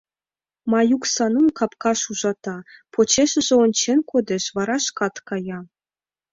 Маюк Санум капкаш ужата, почешыже ончен кодеш, вара шкат кая.